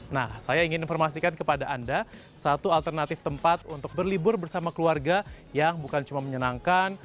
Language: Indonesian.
nah saya ingin informasikan kepada anda satu alternatif tempat untuk berlibur bersama keluarga yang bukan cuma menyenangkan